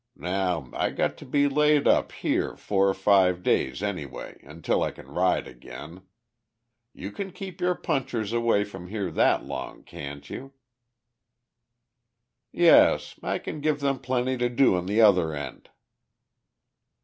Now, I got to be laid up here four or five days, anyway, until I can ride again. You can keep your punchers away from here that long, can't you?" "Yes. I can give them plenty to do on the other end."